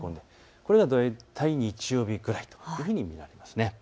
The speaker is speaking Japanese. これが大体日曜日くらいというふうに見られます。